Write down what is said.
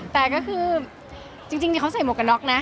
แต่ก็คือจริงเขาใส่หมวกกันน็อกนะ